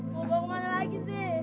mau bawa kemana lagi deh